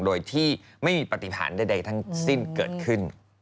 โดยที่ไม่มีปฏิหารใดทั้งสิ้นเกิดขึ้น